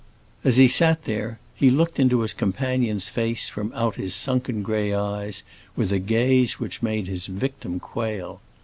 As he sat there, he looked into his companion's face from out his sunken grey eyes with a gaze which made his victim quail.